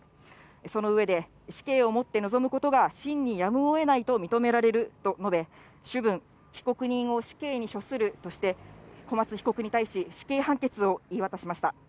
その上で、死刑をもって臨むことが真にやむをえないと認められると述べ、主文、被告人を死刑に処するとして、小松被告に対し、死刑判決を言い渡しました。